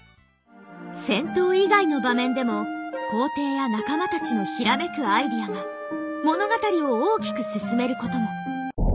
戦闘以外の場面でも皇帝や仲間たちの閃くアイデアが物語を大きく進めることも。